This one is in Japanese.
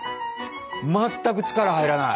全く力入らない。